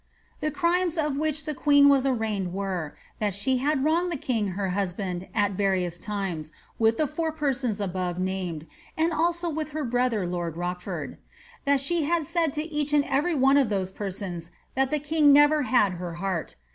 ' The crimes of which the queen was arraigned were, that she had wronged the king her husband, at yarious times, with the four persons ftboire named, and also with her brother lord Rochford. That she had tail! to each and every one of those persons that the king nevei had her heart.